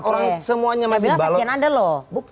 orang semuanya masih balok